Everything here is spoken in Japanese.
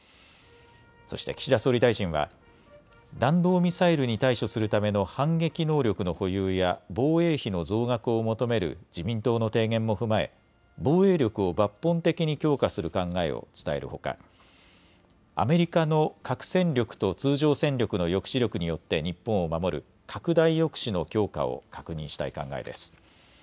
そして岸田総理大臣は弾道ミサイルに対処するための反撃能力の保有や防衛費の増額を求める自民党の提言も踏まえ防衛力を抜本的に強化する考えを伝えるほか、アメリカの核戦力と通常戦力の抑止力によって日本を守る拡大抑止の強化を確認したい考えです。